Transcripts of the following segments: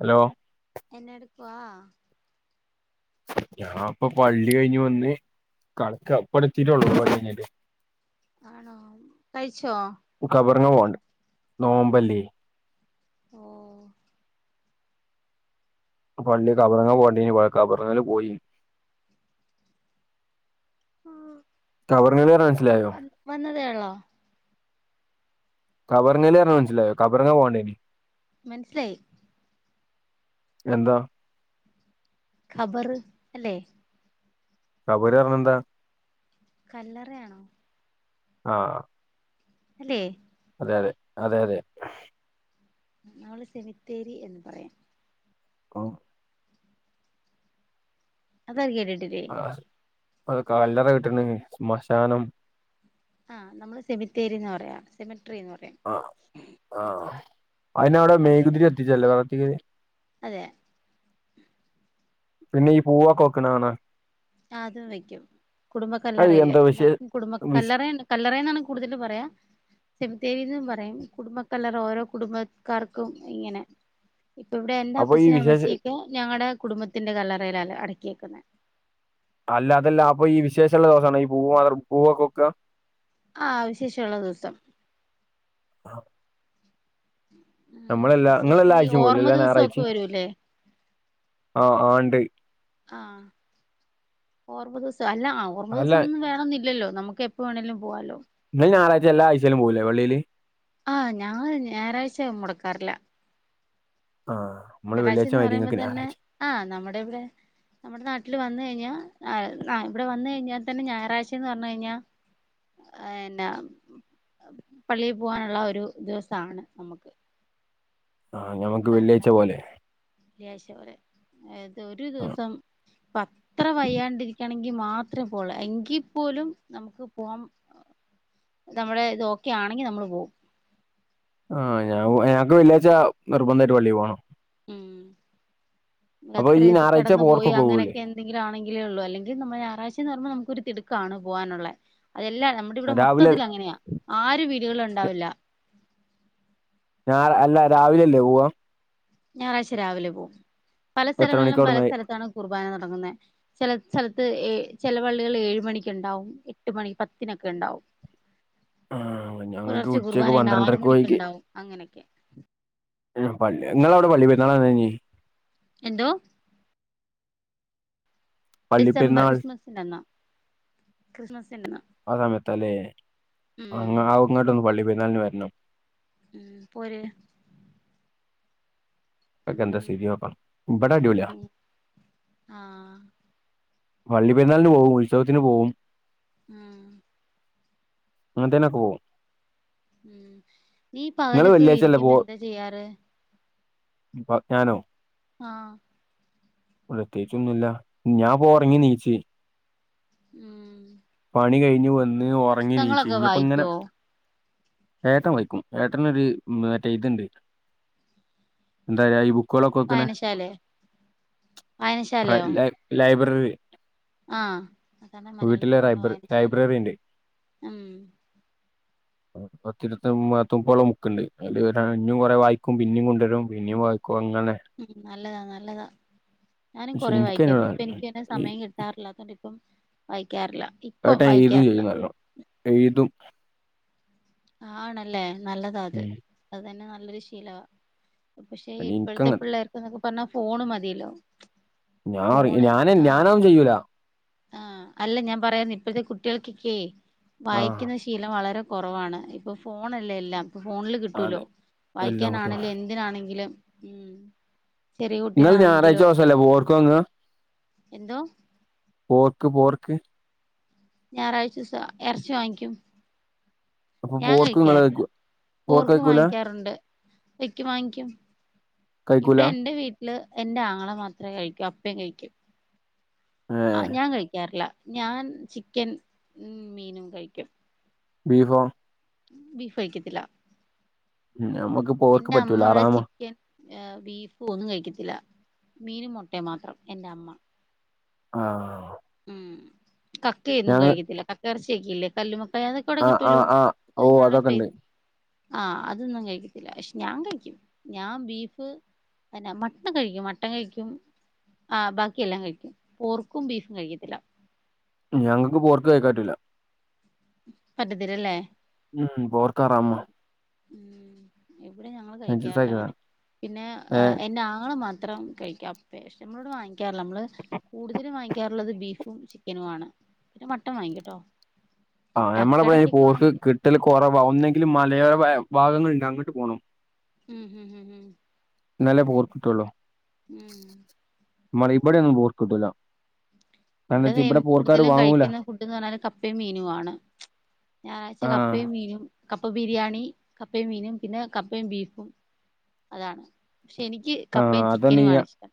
Hello വാ ഞാൻ ഇപ്പൊ പള്ളി കഴിഞ്ഞ് വന്ന് കടക്കാ ഇപ്പം എത്തിട്ടെള്ളൂ പള്ളി കഴിഞ്ഞിട്ട് ആണോ കഴിച്ചോ ങ്ങ പോണ്ട് നോമ്പല്ലേ ഓഹ് പള്ളി കബറിങ്ങെ പോകേണ്ടിനി കബറങ്ങല് പോയി ആഹ് ടവറ്ങ്ങല് പർഞാ മനസ്സിലായോ ഉള്ളോ കബറ്ങ്ങല് പർഞാ മനസിലായോ കബറങ്ങല് പോവാണ്ടേനി. മൻസിലായി എന്താ ഖബറ് അല്ലേ? കബറ് പർണാ ന്താ? കല്ലറയാണോ? ആഹ് ആഹ് അല്ലേ? തെതെ അതെയതെ. നമ്മള് സെമിത്തേരി എന്ന് പറയാ ആഹ് അതൊക്കെ കേട്ടിട്ടില്ലേ? അത് കല്ലറ കേട്ട്ണ് ശ്മശാനം ഹാഹ് നമ്മള് സെമിത്തേരി എന്ന് പറയാ സെമിട്ട്റി എന്ന് പറയും അയിന് അവിടെ മെയുകുതിരി കത്തിച്ചല്ലേ വെളക്കിന്. അതെ. പിന്നെ ഈ പൂവൊക്കെ വെക്ക്ണ കാണാ. ആഹ് അതും വെക്കും. കുടുംബ അത് കല്ലറയില്. എന്താ വിശേ എല്ലാർക്കും കുടുംബ വിശ് കല്ലറെ ണ്ട്. കല്ലറേന്നാണ് കൂടുതൽ പറയാ. സെമി ത്തേരിന്നും പറയും. കുടുംബക്കല്ലറ ഓരോ കുടുംബക്കാർക്കും ഇങ്ങനെ ഇപ്പ ഇവിടെ എന്റെ അപ്പൊ ഈ അപ്പച്ചനെ വിശേഷ അമ്മച്ചിയൊക്കെ ഞങ്ങടെ കുടുംബത്തിന്റെ കല്ലറയിലാ ല്ല അടക്കിയേക്കുന്നെ. അല്ല അതല്ല. അപ്പൊ ഈ വിശേഷള്ള ദിവസാണൊ ഈ പൂവും അതർ പൂവൊക്കെ വെക്കാ? ആഹ് വിശേഷവുള്ള ദിവസം. ഉം നമ്മളെല്ലാ വിശേഷം ഇങ്ങളെല്ലാ ഈ ആഴ്ച്ചയും പോവൂല്ലേ? ഓർമ്മ എല്ലാ ദിവസൊക്കെ ഞായറാഴ്ചയും വരൂല്ലേ ആഹ് ആഹ് ഇണ്ട് ആഹ് ഓർമ്മ ദിവസം അല്ല ആ ഓർമ്മ അല്ല ദിവസൊന്നും വേണന്നില്ലല്ലോ നമ്മക്ക് എപ്പോ വേണേലും പോകാലോ ഇങ്ങള് ഞായറാഴ്ച എല്ലാ ആഴ്ചയിലും പോവൂല്ലേ പള്ളിയില്? ആഹ് ഞാൻ ഞായറാഴ്ചെ മൊടക്കാറില്ല ആഹ് നമ്മള് വെള്ളിയാഴ്ച ഞാറാഴ്ച്ചാന്ന് മാതിരി പറയുമ്പോ നിങ്ങൾക്ക് തന്നെ ഞായറാഴ്ച ആഹ് നമ്മുടെ ഇവിടെ നമ്മുടെ നാട്ടില് വന്ന് കഴിഞ്ഞാ ആഹ് ആ ഇവിടെ വന്ന് കഴിഞ്ഞാ തന്നെ ഞായറാഴ്ച്ചയെന്ന് പറഞ്ഞു കഴിഞ്ഞാ എന്നാ പള്ളി പോവാനുള്ള ഒരു ദിവസാണ് നമ്മക്ക് ആഹ് ഞമ്മക്ക് വെള്ളിയാഴ്ച്ച പോലെ വെള്ളിയാഴ്ച്ച പോലെ അത് ഒരു ആഹ് ദിവസം ഇപ്പ അത്ര വയ്യാണ്ടിരിക്കയാണെങ്കി [unintelligible] മാത്രേ പോവുള്ളു എങ്കി പോലും നമ്മക്ക് പോവാൻ [unintelligible] നമ്മടെ ഇത് ഓക്കെ ആണെങ്കി നമ്മള് പോകും. ആഹ് ഞാ ഞാക്ക് വെള്ളിയാഴ്ച്ച നിർബന്ധമായിട്ട് പള്ളി പോണം. ഉം അപ്പൊ അത്ര ഈ [unintelligible] ഞായറാഴ്ച കെടന്ന് പോയി പോർക്കൊക്കെ പോകൂല്ലേ അങ്ങനെയൊക്കെ എന്തെങ്കിലും ആണെങ്കിലേ ഒള്ളൂ അല്ലെങ്കി നമ്മ ഞായറാഴ്ചേന്ന് പറയുമ്പോ നമ്മക്ക് ഒരു തി തിടുക്കാണ് പോവാനുള്ളെ അതെല്ലാ നമ്മടെ ഇവിടെ രാവിലെ മൊത്തത്തിൽ അങ്ങനെയാ ആര് വീടുകളില്ണ്ടാവില്ല [unintelligible] അല്ല രാവിലല്ലേ പോവാ ഞായറാഴ്ച രാവിലെ പോവും പല എത്ര മണിക്ക് സ്ഥലങ്ങളിലും പല അവിടുന്ന് സ്ഥലത്താണ് കുർബാന തൊടങ്ങുന്നേ ചെല ചെല ത്ത് ഏഹ് ചെല പള്ളികളില് ഏഴ് മണിക്ക് ഇണ്ടാവും എട്ട് മണി പത്തിനൊക്കെ ഇണ്ടാവും. ആഹ് ഞങ്ങൾക്ക് പുലർച്ചെ ഉച്ചക്ക് കുർബാനയുണ്ട് ആറ് പന്ത്രണ്ടരക്ക് മണിക്ക് പോയിക്ക് ഇണ്ടാവും അങ്ങനെക്കെ. [unintelligible] പള്ള് ഇങ്ങളവിടെ പള്ളി പെരുന്നാള് എന്നേനി? എന്തോ പള്ളി ഡിസംബർ പെരുന്നാൾ ക്രിസ്മസിന്റെന്നാ ക്രിസ്മസ് ആ സമയത്ത ലേ അ ഉം ആ അങ്ങോട്ടൊന്ന് പള്ളി പെര്ന്നാള്ന് വെര്ണം ഉം പോര് ഉം ഉം [unintelligible] ആഹ് പള്ളി പെരുന്നാളിന് പോവും ഉത്സവത്തിന് പോവും ആ അങ്ങൻതേനൊക്കെ പോം ഉം നീ നിങ്ങള് പകലൊക്കെ വെള്ളിയാഴ്ചല്ലേ പോ ഇരിക്കുമ്പോ എന്താ ചെയ്യാറ് പ ഞാനോ ആ പ്രത്യേകിച്ചൊന്നുല്ല ഞാപ്പോ ഒർങ്ങി നീച് ഉം പണി കയ്ഞ്ഞ് വെന്ന് ഒറങ്ങി ണീച്ച് പുസ്തകങ്ങളൊക്കെ ഞ്ഞിപ്പോ ങ്ങനെ വായിക്കുവോ ഏട്ടൻ വലിക്കും ഏട്ടനൊരു മറ്റേ ഇത്ണ്ട് [unintelligible] ക്കാളൊക്കെ വെക്ക്ണെ വായനശാലെ അ ലൈ ലൈബ്രററി ആ അതാണ് മലയാളത്തിൽ പറഞ്ഞതാ വായനശാലാന്ന് ലൈബ്രറി ഉണ്ട് ഉം ഉം പത്തിരുവതോം പത്ത് മുപ്പതോളം ബുക്ക്ണ്ട് അതില് ഞ്ഞും കൊറേ വായിക്കും പിന്നേം കൊണ്ടരും പിന്നേം വായിക്കും അങ്ങനെ ഉം നല്ലതാ നല്ലതാ ഞാനും പക്ഷെ കൊറെ വായിക്കാരുന്നു ഇപ്പ എനിക്കതിനോട് എനിക്കയ്ന് സമയം കിട്ടാറില്ലാത്തൊണ്ട് പ്പം അയ് [unintelligible] ആണല്ലേ നല്ലതാ അത് ഉം. അതെന്നെ നല്ലൊരു ശീലാ പക്ഷെ പിന്നെ ഇപ്പഴത്തെ എനിക്കങ്ങനെ പിള്ളേർക്ക് ന്നൊക്കെ പറഞ്ഞാ ഫോണ് മതില്ലോ ഞാ ഞാനെ ഞാനതൊന്നും ചെയ്യൂല ആഹ് അല്ല ഞാൻ പറയ്ന്നത് ഇപ്പോഴത്തെ കുട്ടികൾക്കൊക്കെ ആഹ് വായിക്കുന്ന ശീലം വളരെ കുറവാണ് ഇപ്പൊ ഫോണല്ലേ എല്ലാം ഇപ്പ ഫോണില് അതെ കിട്ടൂല്ലോ എല്ലാം കിട്ടും വായിക്കാനാണെല്ലേ എന്തിനാണെങ്കിലും ഉം ചെറിയ ഇങ്ങള് കുട്ടികളാണെങ്കിലും ഞായറാഴ്ച ഒക്കെ ദിവസല്ലേ പോർക്ക് വാങ്ങുക എന്തോ പോർക്ക് പോർക്ക് ഞാറായ്ചൂസം ഇറച്ചി വാങ്ങിക്കും അപ്പൊ ഞാൻ പോർക്ക് നിങ്ങള് കഴിക്കാറില്ല പോർക്ക് വാങ്ങിക്കാറുണ്ട് വെക്കും വാങ്ങിക്കും കഴിക്കൂല ഇവിടെ എൻ്റെ വീട്ടില് എൻ്റെ ആങ്ങള മാത്രേ കഴിക്കൂ കപ്പേം കഴിക്കും ഏ ആ ഞാൻ കഴിക്കാറില്ല ഞാൻ ചിക്കൻ ഉം-മീനും കഴിക്കും ബീഫോ ബീഫ്ഴിക്കത്തില്ല മ്-ഞമ്മക്ക് പോർക്ക് പറ്റൂല ഹറാമാ ഏഹ് ബീഫും ഒന്നും കഴിക്കത്തില്ല മീനും മൊട്ടേം മാത്രം എന്റെ അമ്മ ആഹ് ഉം കക്കയൊന്നും കഴിക്കത്തില്ല കക്ക ഇറച്ചിയൊക്കില്ലേ കല്ലുമ ആഹ് ആഹ് ആഹ് ഓ അതൊക്കിണ്ട് ആഹ് അതൊന്നും കഴിക്കത്തില്ലെ ശ് ഞാൻ കഴിക്കും ഞാൻ ബീഫ് അയെന്ന മട്ടൺ കഴിക്കും മട്ടൺ കഴിക്കും ആ ബാക്കിയെല്ലാം കഴിക്കും പോർക്കും ബീഫും കഴികത്തില്ല ഞങ്ങക്ക് പോർക്ക് കഴിക്കാറ്റുല്ല പറ്റത്തില്ലല്ലേ ഉം പോർക്ക് ഹറാമാ ഉം ഇവിടെ ഞങ്ങള് കഴിക്കാറില്ല അങ്ങനെ കഴിക്കുന്നതാണ്. പിന്നെ ഏ ആ എൻ്റെ ആങ്ങള മാ ഇത്രം കഴിക്കാം [unintelligible] വാങ്ങിക്കാറില്ല നമ്മള് കൂടുതലും വാങ് കേരളത്തിൽ ബീഫും ചിക്കനും ആണ് പിന്നെ മട്ടൺ വാങ്ങിക്കൂട്ടോ ആ നമ്മള പെരെ പോർക്ക് കിട്ടല് കൊറവാ ഒന്നെങ്കിൽ മലയാ വാഗങ്ങൾണ്ട് അങ്ങട്ട് പോണം മ് ഹ് ഹ് ഹ് ന്നാല്ലേ പോർക്ക് കിട്ടുള്ളു ഉം മ്മള ഇവടെയൊന്നും പോർക്കിട്ടൂലാ ഇവിടെ ന്നേം കൂടുതലും കഴിക്കുന്ന ഫുഡ്ന്ന് പറഞ്ഞാല് കപ്പയും മീനു ആണ് ആ ഞായറാഴ്ച കപ്പേം മീനും കപ്പ ബിരിയാണി കപ്പയും മീനും പിന്നെ കപ്പയും ബീഫും അതാണ് പക്ഷെ എനിക്ക് ആ കപ്പയും അതന്നെ ചിക്കനും ഈ ആണ് ഇഷ്ടം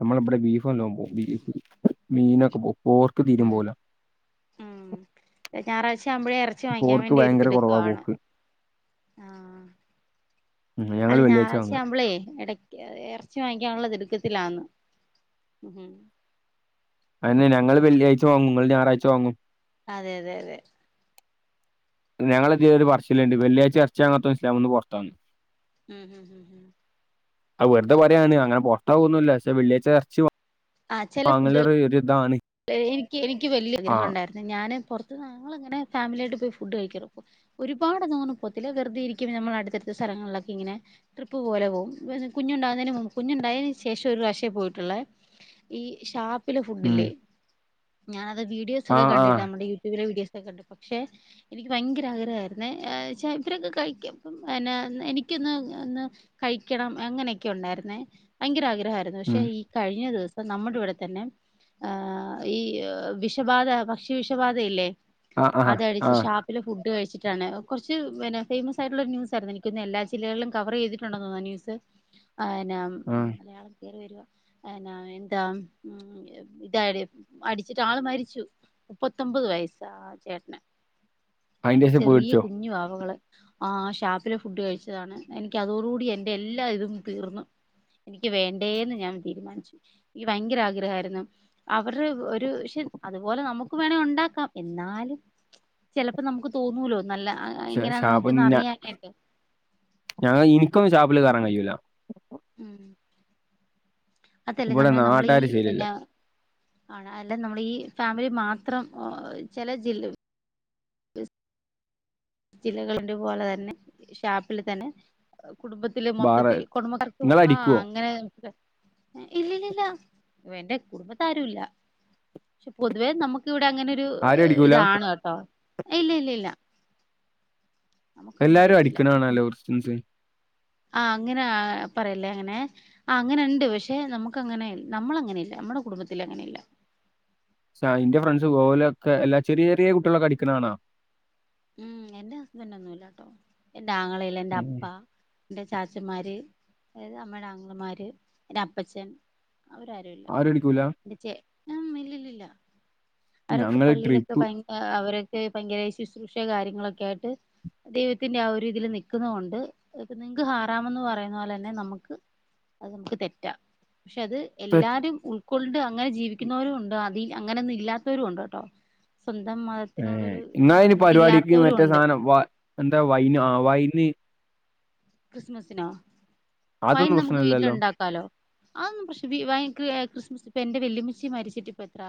നമ്മളിവിടെ ബീഫ്നല്ലം പോവും ബീഫ് മീനൊക്കെ പോവും പോർക്ക് തീരേം പോവൂല്ല ച്ചാവുമ്പളെ എറച്ചി വാങ്ങിക്കാൻ വേണ്ടി ഒരു കുറവാ തിടുക്കാണ് പോക്ക് ഉം, അല്ല ഞങ്ങള് വെള്ളിയാഴ്ച വാങ്ങാ ഞായറാഴ്ച്ചാവുമ്പളേ എട എറച്ചി വാങ്ങിക്കാനുള്ള തിടുക്കത്തിലാന്ന് അതെ ഞങ്ങള് വെള്ളിയാഴ്ച വാങ്ങും നിങ്ങൾ ഞായറാഴ്ച വാങ്ങും. അതെ അതെ അതെ ഞങ്ങളെതി ഒരു പർച്ചിലൊണ്ട് വെള്ളിയാഴ്ച എർച്ചി വാങ്ങാത്തോൻ ഇസ്ലാമ്ന്ന് പൊറത്താന്ന് ഉം ഹും ഹും അത് വെറുതെപറയാണ് അങ്ങനെ പോർത്താ വൊന്നൂല്ല്യ പക്ഷെ വെള്ളിയായ്ച്ച എർച്ചി വാ ആഹ് ചില ഫുഡുകൾ വാങ്ങളൊർ ഒരു ഇതാണ്. എനിക്ക് എനിക്ക് വലിയഗ്രഹം ആഹ് ഉണ്ടായിരുന്നു ഞാന് പുറത്ത് അത് ഞങ്ങളങ്ങനെ ഫാമിലിയായിട്ട് പോയി ഫുഡ് കഴിക്കണം ഒരുപാട് അങ്ങനെയൊന്നും പോകില്ല വെറുതെയിരിക്കുമ്പോ നമ്മളുടെ അടുത്തടുത്ത സ്ഥലത്ത് സ്ഥങ്ങളിലൊക്കെ ഇങ്ങനെ ട്രിപ്പ് പോലെ പോകും കുഞ്ഞുണ്ടാകുന്നതിന് മുമ്പ്. കുഞ്ഞുണ്ടായതിനു ശേഷം ഒരു പ്രാവശ്യമേ. പോയിട്ടുള്ളൂ ഏ.. ഈ ഷാപ്പിലെ ഉം ഫുഡില്ലേ ഞാനത് വീഡിയോസ് ഒക്കെ ആഹ് കണ്ടിട്ട് ആഹ് നമ്മുടെ യൂട്യൂബിലെ വീഡിയോസ് കണ്ട് പക്ഷെ എനിക്ക് ഭയങ്കര ആഗ്രഹമായിരുന്നു ചെ ഇവരൊക്കെ കഴിക്കും പിന്നെ എനിക്ക് ന്ന് കഴിക്കണം അങ്ങനെയൊക്കെ ഉണ്ടായിരുന്ന ഭയങ്കരആഗ്രഹം ഉണ്ടായിരുന്നു പക്ഷെ ഉം ഈ കഴിഞ്ഞ ദിവസം നമ്മുടെ ഇവിടെ തന്നെ ആ ഈ വിഷബാധ പക്ഷി വിഷബാധയില്ലേ ആഹ് ആഹ് അതടിച്ച് ആഹ് ഷാപ്പിലെ ഫുഡ് ഇട്ട കഴിച്ചിട്ടാണ് കുറച്ച് പിന്നെ ഫേമസ് ആട്ടുള്ളൊ ന്യൂസായിരുന്നു എനിക്കൊന്ന് എല്ലാ ജില്ലകളും കവർ ചെയ്തിട്ടുണ്ടോന്ന ആ ന്യൂസ് [inaudible] അനാ ആഹ് മലയാളം കേറി വരു ന എന്താ ഇതായി അടിച്ചിട്ട് ആള് മരിച്ചു മുപ്പത്തൊമ്പത് വയസാ ചേട്ടന്. രണ്ട് അയിന്റേഷം ചെറിയ പേടിച്ചോ കുഞ്ഞു വാവകള് ആഹ് ഷാപ്പിലെ ഫുഡ് കഴിച്ചതാണ് എനിക്ക്തോടുകൂടി എൻറെ എല്ലാ ഇതും തീർന്ന്. എനിക്ക് വേണ്ടേന്ന് ഞാൻ തീരുമാനിച്ചു എനിക്ക് ഭയങ്കര ആഗ്രഹമായിരുന്നു അവരുടെ ഒരു പക്ഷെ അതുപോലെ നമുക്ക് വേണമേ ഉണ്ടാക്കാം എന്നാലും ചിലപ്പോ നമുക്ക് തോന്നൂലോ നല്ല പക്ഷ ഷാപ്പ് ഇങ്ങനെയാന്നൊക്കെന്ന് ഞ അറിയാനായിട്ട് ഞങ്ങ എനിക്കൊന്നും ഷാപ്പില് കേറാൻ കഴിയൂല ഉം അതല്ലേ ഞാൻ ഇവിടെ പറ നമ്മൾ ഈ നാട്ടാര് ശരിയല്ല പിന്നെ ആണ് അല്ല നമ്മൾ ഈ ഫാമിലി മാത്രം ചില ജില്ലാ ജില്ലകളിന്റെ പോലെ തന്നെ ഷാപ്പിൽ തന്നെ കുടുംബത്തിലെ വേറെ മൊത്തത്തി കുടുംബക്കാർക്കും ആ ഇങ്ങളടിക്കോ അങ്ങനെ ഇല്ലല്ലില്ല എന്റെ കുടുംബത്തെ രും ഇല്ല പക്ഷെ പൊതുവേ നമ്മുക്ക് ഇവിടെ അങ്ങനൊരു ആരും അടിക്കൂല ഇതാണ് കേട്ടോ ഇല്ല ഇല്ല ഇല്ല നമുക്കൊന്നും എല്ലാരും പറ്റൂല അടിക്കണാണല്ലോ ക്രിസ്ത്യൻസ്. ആ അങ്ങനെ പറയലേ അങ്ങനെ ആ അങ്ങനെ ഉണ്ട് പക്ഷെ നമുക്ക് അങ്ങനെ നമ്മളങ്ങനെല്ല നമ്മ കുടുംബത്തില് അങ്ങനെ ഇല്ല സ ഇന്റെ ഫ്രണ്ട്സ് പോലൊക്കെ എല്ലാ ചെറിയ ചെറിയ കുട്ടികളൊക്കെ അടിക്കണ കാണാം. ഉം എറെ ഹസ്ബൻഡ ഒന്നുമല്ല ട്ടോ എന്റെ ആങ്ങളല്ല എൻറെ ഉം. അപ്പ- എന്റെ ചാച്ചന്മാര് അതായത് അമ്മയുടെ ആങ്ങളമാര് എന്റെ അപ്പച്ചൻ. അവരാരല്ല ആരും അടിക്കൂല. എച്ചേ ഉ ഇല്ലല്ലില്ല. അവരൊക്കെ ഞങ്ങള് പള്ളിയിലൊക്കെ ട്രിപ്പ് ഭയ അവരൊക്കെ ഭയങ്കര ശുശ്രൂഷ കാര്യങ്ങളൊക്കെ ആയിട്ട്. ദൈവത്തിന്റെ ആ ഒരു രീതിയിൽ നിക്കുന്നൊണ്ട് അതൊക്കെ നിക് ഹാറാമെന്ന് പറയുന്ന പോലെ തന്നെ നമുക്ക് അത് നമുക്ക് തെറ്റാ പക്ഷെ അത് തെ എല്ലാരും ഉൾ കൊണ്ട് അങ്ങനെ ജീവിക്കുന്നവരും ഉണ്ട് അതിൽ അങ്ങനൊന്നും ഇല്ലാത്തവരും ഉണ്ടോ കേട്ടോ. സ്വന്തം ഏഹ് മതത്തിനോടൊരു ന ഇങ്ങളയിന് പരിപാടിക്ക് മറ്റേ സാധനം എന്താ വൈന് ആ വൈന്. ക്രിസ്മസിനോ? വൈൻ അതൊന്നും നമുക്ക് പ്രശ്നല്ലല്ലോ? വീട്ടിലുണ്ടാക്കാലോ അതൊന്നും പ്രശ് പക്ഷേ വൈൻ എ ക്രിസ്മസ്. ഇപ്പ എന്റെ വല്യമ്മച്ചി മരിച്ചിട്ടിപ്പം എത്ര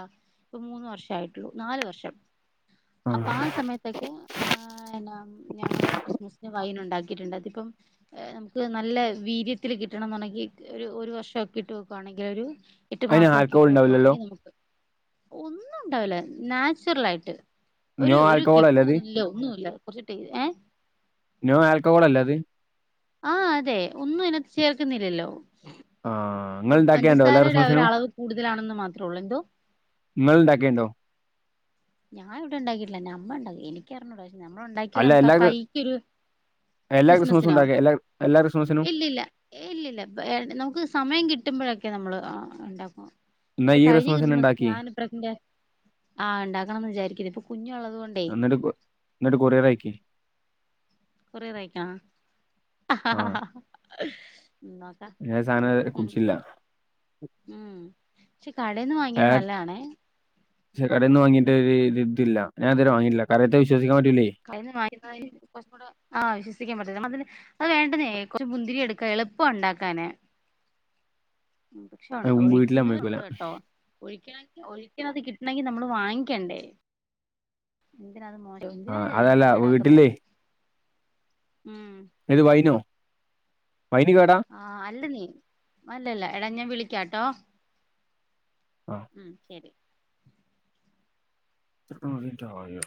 ഇപ്പ മൂന്ന് വർഷമേ ആയിട്ടുള്ളൂ നാലു വർഷം. അപ്പൊ ആ ആഹ് സമയത്തൊക്ക ആഹ് എന്ന ഞങ്ങള് ക്രിസ്മസിന് വൈന ഉണ്ടാക്കിട്ടുണ്ട് അതിപ്പം. നമുക്ക് നല്ല വീര്യത്തി കിട്ടണന്നുണ്ടങ്കി ഒരു ഒരു വർഷം ഒക്കെ ഇട്ട് വെക്കുയാണെങ്കിൽ ഒരു എട്ട് അയിന് മാസം ആൽക്കഹോൾ ഒക്കെയിട്ട് ഉണ്ടാവില്ലല്ലോ? വെക്കുവാണെങ്കി നമുക്ക് ഒന്നും ഉണ്ടാവൂല നാച്ചുറൽ ആയിട്ട് ഒരു നോ ഒരു ആൽക്കഹോൾ അല്ലേ കിക്കും അത്? ഇല്ല ഒന്നുമല്ല കുറച്ചിട്ട ഏ നോ ആൽക്കോഹോൾ അല്ല അത്. ആ അതെ ഒന്നും അതിനകത്തു ചേർക്കുന്നില്ലല്ലോ ആഹ് ഇങ്ങള്ണ്ടാക്കേണ്ടോ എല്ലാ പഞ്ചസാരയുടെ ഒര ക്രിസ്മസിനും? അളവ് കൂടുതലാണെന്ന് മാത്രേ ഉള്ളൂ എന്തോ? നിങ്ങൾ ഇണ്ടാക്കേണ്ടോ ഞാൻ ഇവിടെണ്ടാക്കട്ടില്ല ഞ അമ്മ ഉണ്ടാക്ക എനിക്ക അറിഞ്ഞോട നമ്മൾ ഉണ്ടാക്കിയ അല്ല നമുക്ക് ആ എല്ലാ ക്രി കൈക്ക്ൊരു എല്ലാ ക്രിസ്മസും ക്രിസ്മസിനോ ഉണ്ടാക്കെ എല്ലാ എല്ലാ ക്രിസ്മസിനും? ഇല്ലല്ല ഇല്ലല്ല നമുക്ക് സമയം കിട്ടുമ്പോഴൊക്കെ നമ്മള് ഉണ്ടാക്കും ഇന്നാ ഇപ്പൊ ഈ കഴിഞ്ഞ ക്രിസ്മസിന് ക്രിസ്മസ് ഇണ്ടാക്കി. ഞാൻ ഇപ്രറെ ആഹ ഉണ്ടാക്കണംന്ന് വിചാരിക്കുന്നു ഇപ്പൊ കുഞ്ഞുള്ളത് കൊണ്ടേ എന്നിട്ട് കൊ എന്നിട്ട് കൊറിയർ ആയിക്ക കുറേതായിക്കാം ആഹ് നോക്ക ഞാൻ സാധനം കുടിച്ചില്ല. ഉം പക്ഷെ കടേന്ന് വാങ്ങിയത് നല്ലതാണേ കടയിൽന്ന് വാങ്ങിട്ട ഇ ഇതില്ല ഞാൻ അതുരെ വാങ്ങിട്ടില്ല കടയത്തെ വിശ് കഴി കുറച്ചും കൂടെ ആ വിശ്വസിക്കാൻ പറ്റും അതിന് അത് വേണ്ടതേ മുന്തിരി എടുക്കാ എളുപ്പം ഉണ്ടാക്കാന് ഉ പക്ഷെ അത് വീട്ടില് ഒഴിക്കുന്നുന്നത് സമ്മതിക്കൂല ഉണ്ട് കേട്ടോ ഒഴ ഒഴിക്കണത് കിട്ട െ നമ്മള് വാങ്ങിക്കണ്ടേ എന്തിനോ ആഹ അതല്ല വീട്ടില്ലേ ഉം ഇത് വൈനോ വൈന് കേടാ ആഹ് അല്ല നീ അല്ലല്ല എട ഞാൻ വിളിക്കാട്ടോ ഉം ശരി ോദിനട്ടോ